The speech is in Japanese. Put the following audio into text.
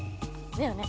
だよね。